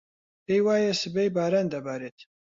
پێی وایە سبەی باران دەبارێت.